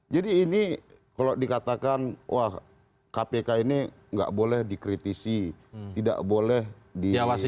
ini kalau dikatakan wah kpk ini nggak boleh dikritisi tidak boleh di